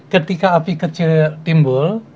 ketika api kecil timbul